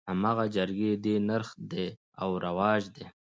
هماغه جرګې دي نرخ دى او رواج دى.